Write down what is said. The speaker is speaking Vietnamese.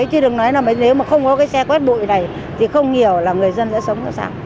chứ đừng nói là nếu mà không có cái xe quét bụi này thì không hiểu là người dân sẽ sống sao